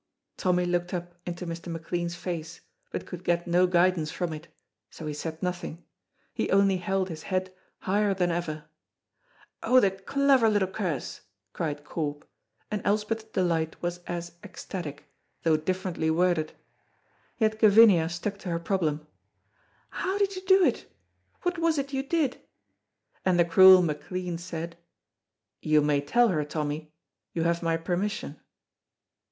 Tommy looked up into Mr. McLean's face, but could get no guidance from it, so he said nothing; he only held his head higher than ever. "Oh, the clever little curse!" cried Corp, and Elspeth's delight was as ecstatic, though differently worded. Yet Gavinia stuck to her problem, "How did you do it, what was it you did?" and the cruel McLean said: "You may tell her, Tommy; you have my permission."